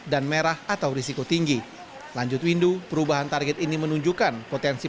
dan merah atau risiko tinggi lanjut windu perubahan target ini menunjukkan potensi